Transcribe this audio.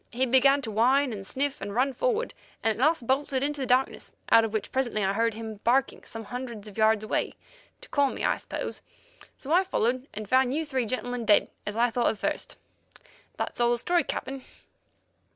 He began to whine and sniff and run forward, and at last bolted into the darkness, out of which presently I heard him barking some hundreds of yards away, to call me, I suppose. So I followed and found you three gentlemen, dead, as I thought at first. That's all the story, Captain."